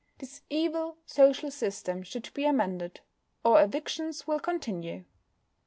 This evil social system should be amended, or evictions will continue."